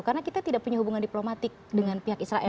karena kita tidak punya hubungan diplomatik dengan pihak israel